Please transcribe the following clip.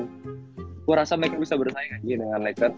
gua rasa mereka bisa bersaing aja dengan lakers